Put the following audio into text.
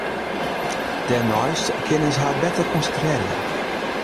Dêrneist kinne se har better konsintrearje.